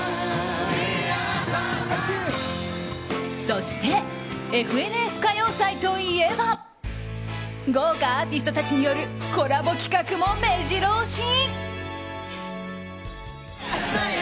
そして「ＦＮＳ歌謡祭」といえば豪華アーティストたちによるコラボ企画もめじろ押し。